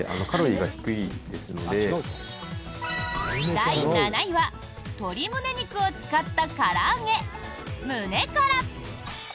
第７位は、鶏むね肉を使ったから揚げ、むねから。